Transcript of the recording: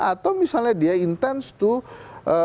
atau misalnya dia intens to